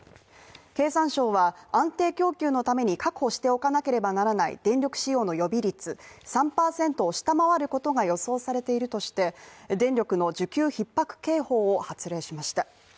経産省は安定供給のために確保しておかなければならない電力使用の予備率３％を下回ることが予想されているとして電力の需給ひっ迫警報を発令しました。